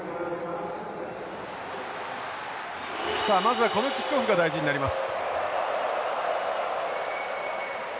さあまずはこのキックオフが大事になります。